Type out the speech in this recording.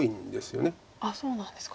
あっそうなんですか。